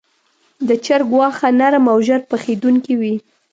د چرګ غوښه نرم او ژر پخېدونکې وي.